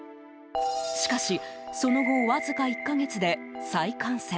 しかしその後わずか１か月で再感染。